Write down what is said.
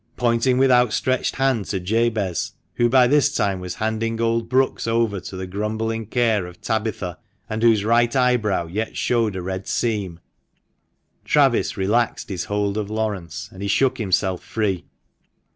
Pointing with outstretched hand to Jabez, who, by this time, was handing old Brookes over to the grumbling care of Tabitha, and whose right eyebrow yet showed a red seam, Travis relaxed his hold of Laurence, and he shook himself free.